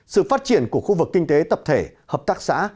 sự phát triển của khu vực kinh tế tập thể hợp tác xã